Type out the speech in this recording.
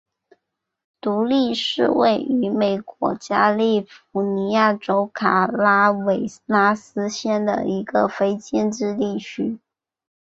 独立是位于美国加利福尼亚州卡拉韦拉斯县的一个非建制地区。